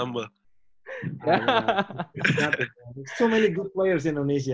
ada banyak pemain yang bagus di indonesia ya